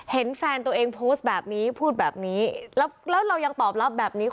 เห็นแฟนตัวเองโพสต์แบบนี้พูดแบบนี้แล้วเรายังตอบรับแบบนี้